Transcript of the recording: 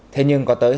thế nhưng có tới